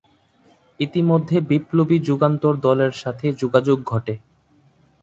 ইতিমধ্যে বিপ্লবী যুগান্তর দলের সাথে যোগাযোগ ঘটে।